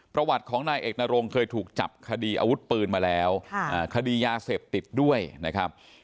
ประวัติของนายเอกนรงเคยถูกจับคดีอาวุธปืนมาแล้วคดียาเสพติดด้วยนะครับ